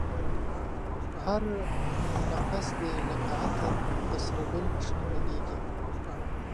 هر نفس دی لکه عطر د سره گل په شان لگېږی